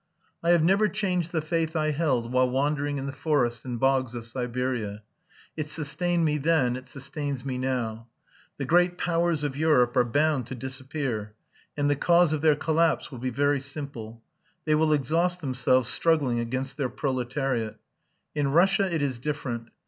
"I have never changed the faith I held while wandering in the forests and bogs of Siberia. It sustained me then it sustains me now. The great Powers of Europe are bound to disappear and the cause of their collapse will be very simple. They will exhaust themselves struggling against their proletariat. In Russia it is different.